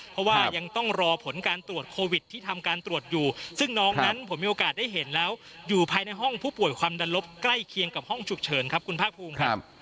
เพราะว่ายังต้องรอผลการตรวจโควิดที่ทำการตรวจอยู่ซึ่งน้องนั้นผมมีโอกาสได้เห็นแล้วอยู่ภายในห้องผู้ป่วยความดันลบใกล้เคียงกับห้องฉุกเฉินครับคุณภาคภูมิครับ